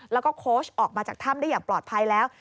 แล้วก็โค้ชออกมาจากถ้ำได้อย่างปลอดภัยแล้ว